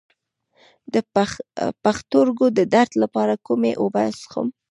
د پښتورګو د درد لپاره کومې اوبه وڅښم؟